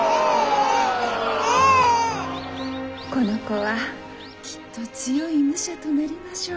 この子はきっと強い武者となりましょう。